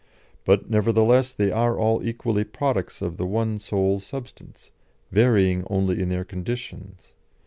But nevertheless they are all equally products of the one sole substance, varying only in their conditions....